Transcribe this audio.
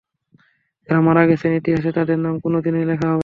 যাঁরা মারা গেছেন, ইতিহাসে তাঁদের নাম কোনো দিনই লেখা হবে না।